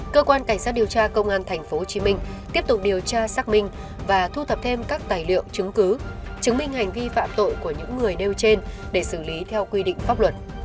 cơ quan cảnh sát điều tra công an tp hcm tiếp tục điều tra xác minh và thu thập thêm các tài liệu chứng cứ chứng minh hành vi phạm tội của những người nêu trên để xử lý theo quy định pháp luật